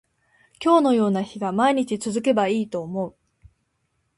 今日のような日が毎日続けばいいと思う